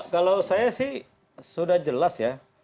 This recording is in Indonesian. kalau saya sih sudah jelas ya